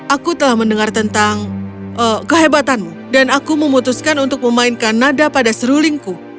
aku telah mendengar tentang kehebatanmu dan aku memutuskan untuk memainkan nada pada serulingku